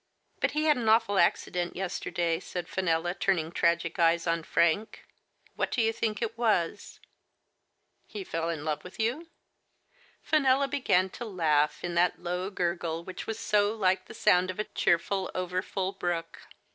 But he had an awful accident yes terday," said Fenella, turning tragic eyes on Frank, " what do you think it was ?"He fell in love with you? Fenella began to laugh in that low gurgle which was so like the sound of a cheerful, over full brook.